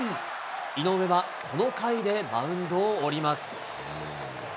井上はこの回でマウンドを降ります。